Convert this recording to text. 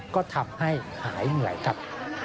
ก็ทำให้หายเหนื่อยครับ